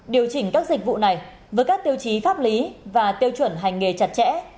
điều chỉnh các dịch vụ này với các tiêu chí pháp lý và tiêu chuẩn hành nghề chặt chẽ